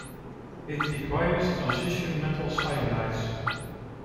It requires transition metal cyanides.